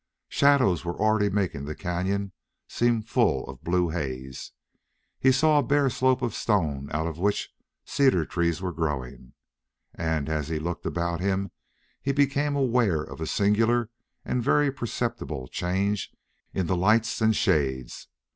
Shadows were already making the cañon seem full of blue haze. He saw a bare slope of stone out of which cedar trees were growing. And as he looked about him he became aware of a singular and very perceptible change in the lights and shades.